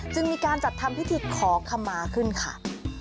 จึงมีการจัดทำพิธีขอขมาขึ้นค่ะ